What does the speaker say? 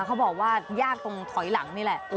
เขาบอกว่ายากตรงถอยหลังนี่แหละ